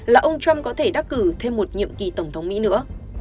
là ông trump có thể đắc cử thêm một nhiệm kỳ tổng thống mỹ nữa